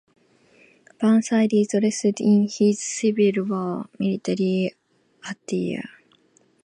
Burnside is dressed in his Civil War military attire.